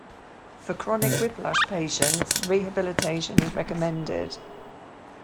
For chronic whiplash patients, rehabilitation is recommended.